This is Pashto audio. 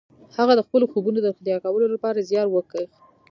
هغه د خپلو خوبونو د رښتيا کولو لپاره زيار وکيښ.